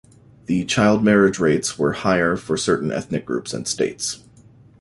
The child marriage rates were higher for certain ethnic groups and states.